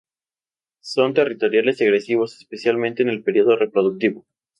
Son territoriales y agresivos, especialmente en el periodo reproductivo.